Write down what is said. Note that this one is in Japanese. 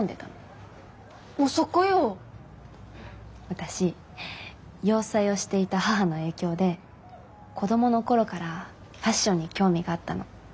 私洋裁をしていた母の影響で子供の頃からファッションに興味があったの。